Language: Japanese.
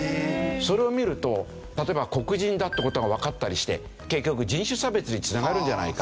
それを見ると例えば黒人だっていう事がわかったりして結局人種差別に繋がるんじゃないか。